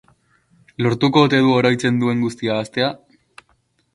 Lortuko ote du oroitzen duen guztia ahaztea?